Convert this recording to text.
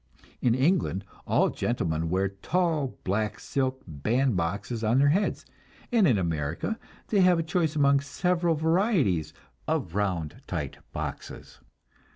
In England all gentlemen wear tall black silk band boxes on their heads, and in America they have a choice among several varieties of round tight boxes.